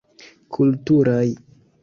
Kulturaj.